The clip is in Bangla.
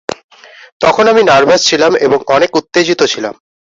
তখন আমি নার্ভাস ছিলাম এবং অনেক উত্তেজিত ছিলাম।